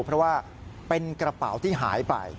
เพราะว่าเป็นกระเป๋าที่หายไป